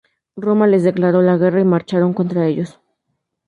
Roma les declaró la guerra y marcharon contra ellos.